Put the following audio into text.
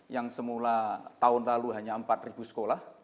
yang semula tahun lalu hanya empat sekolah